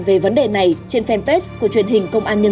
về vấn đề này trên fanpage của truyền hình công an nhân dân